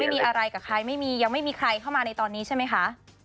ไม่มีอะไรกับใครไม่มียังไม่มีใครเข้ามาในตอนนี้ใช่ไหมคะ